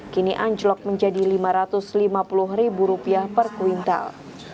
kini anjlok menjadi rp lima ratus lima puluh per kuintal